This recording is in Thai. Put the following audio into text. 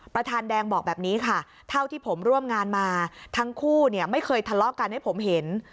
ประธานแดงบอกแบบนี้ค่ะเท่าที่ผมร่วมงานมาทั้งคู่เนี่ยไม่เคยทะเลาะกันให้ผมเห็น